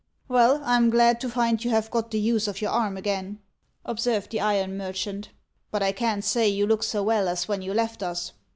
"Well, I am glad to find you have got the use of your arm again," observed the iron merchant; "but I can't say you look so well as when you left us.